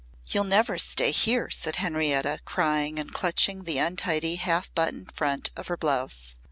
"You'll never stay here," said Henrietta, crying and clutching the untidy half buttoned front of her blouse.